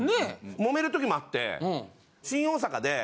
揉める時もあって。